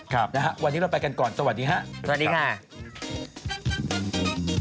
ครับวันนี้เราไปกันก่อนสวัสดีครับ